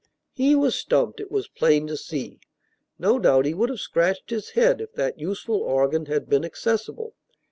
He was stumped, it was plain to see. No doubt he would have scratched his head, if that useful organ had been accessible.